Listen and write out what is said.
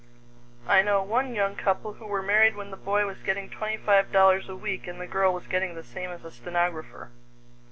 I know one young couple who were married when the boy was getting twenty five dollars a week and the girl was getting the same as a stenographer.